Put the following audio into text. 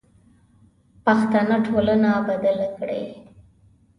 پښتنه ټولنه بدله کړئ.